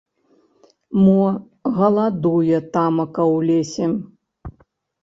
Мо галадуе тамака ў лесе?